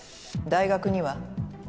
大学には？